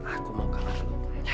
aku mau ke kamar dulu